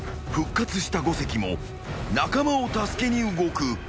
［復活した五関も仲間を助けに動く］